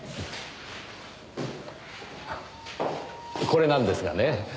これなんですがね。